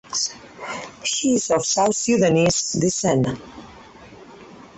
She is of South Sudanese descent.